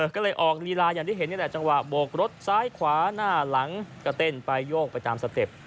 ก็เลยออกลีลาอย่างที่เห็นนี่แหละจังหวะโบกรถซ้ายขวาหน้าหลังก็เต้นไปโยกไปตามสเต็ป